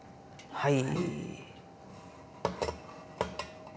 はい。